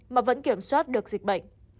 mà vẫn kiểm soát được dịch bệnh